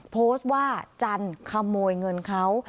โพสต์ว่าจันขโมยเงินเขา